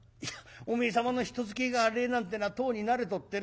「おめえ様の人使えが荒えなんてのはとうに慣れとってな。